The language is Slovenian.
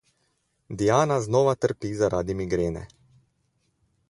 Diana znova trpi zaradi migrene.